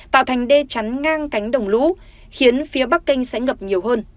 tạo thành đê chắn ngang cánh đồng lũ khiến phía bắc kinh sẽ ngập nhiều hơn